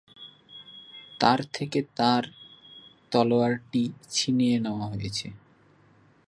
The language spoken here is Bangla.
তার থেকে তার তলোয়ারটি ছিনিয়ে নেয়া হয়েছে।